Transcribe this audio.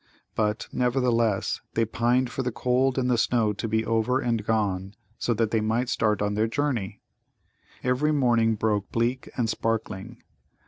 But, nevertheless, they pined for the cold and the snow to be over and gone, so that they might start on their journey! Every morning broke bleak and sparkling.